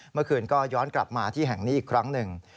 เมื่อคืนก็ย้อนกลับมาที่แห่งนี้อีกครั้งหนึ่ง